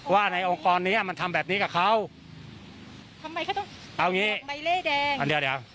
ว่าในองค์กรนี้อ่ะมันทำแบบนี้กับเขาเอาอย่างงี้อันเดียวเดี๋ยว